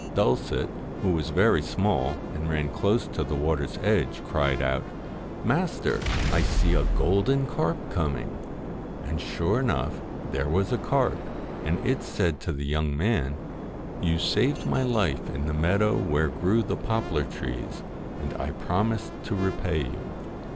Dulcet, who was very small, and ran close to the water's edge, cried out, * Master, I see a golden carp coming.' And sure enough there was a carp, and it said to the young man: 'You saved my life in the meadow where grew the poplar trees, and I promised to repay you.